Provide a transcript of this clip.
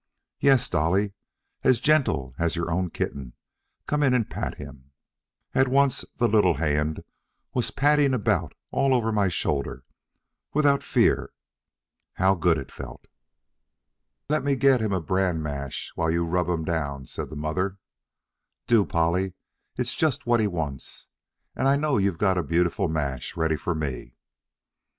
"Yes, Dolly, as gentle as your own kitten; come and pat him." At once the little hand was patting about all over my shoulder without fear. How good it felt! "Let me get him a bran mash while you rub him down," said the mother. "Do, Polly, it's just what he wants; and I know you've got a beautiful mash ready for me."